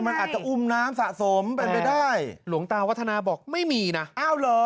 มันอาจจะอุ้มน้ำสะสมเป็นไปได้หลวงตาวัฒนาบอกไม่มีนะอ้าวเหรอ